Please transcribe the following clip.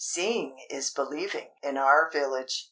Seeing is believing in our village!